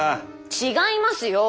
違いますよー。